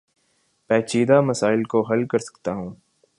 پیچیدہ مسائل کو حل کر سکتا ہوں